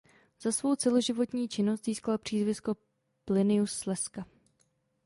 Za svou celoživotní činnost získal přízvisko „Plinius Slezska“.